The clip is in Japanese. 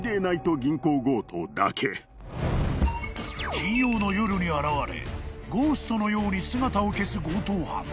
［金曜の夜に現れゴーストのように姿を消す強盗犯］